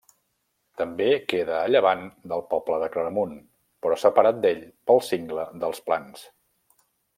També queda a llevant del poble de Claramunt, però separat d'ell pel Cingle dels Plans.